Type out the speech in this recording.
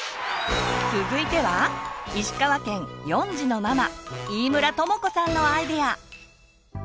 続いては石川県４児のママ飯村友子さんのアイデア！